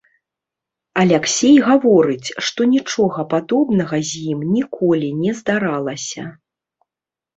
Аляксей гаворыць, што нічога падобнага з ім ніколі не здаралася.